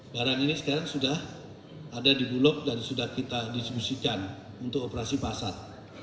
barang ini sekarang sudah ada di bulog dan sudah kita distribusikan untuk operasi pasar